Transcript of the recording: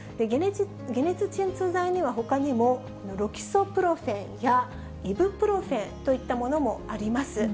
解熱鎮痛剤には、ほかにもロキソプロフェンやイブプロフェンといったものもあります。